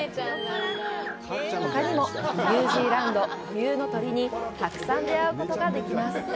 ほかにも、ニュージーランド固有の鳥に、たくさん出会うことができます。